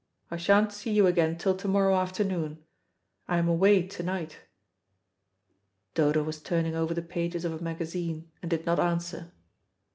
"I sha'n't see you again till to morrow afternoon. I am away to night." Dodo was turning over the pages of a magazine and did not answer.